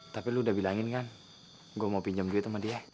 tapi lu udah bilangin kan gue mau pinjam dulu sama dia